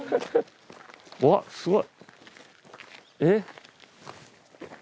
うわっすごい。